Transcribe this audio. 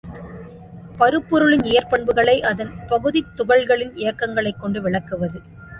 பருப்பொருளின் இயற்பண்புகளை அதன் பகுதித் துகள்களின் இயக்கங்களைக் கொண்டு விளக்குவது.